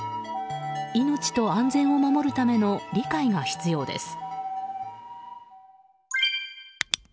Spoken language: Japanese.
命と安全を守るための理解が必要です。